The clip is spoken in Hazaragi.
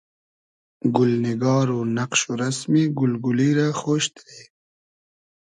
گولنیگار و نئقش و رئسمی گول گولی رۂ خۉش دیرې